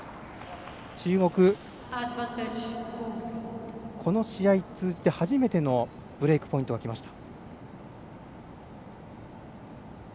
中国、この試合通じて初めてのブレークポイントがきました。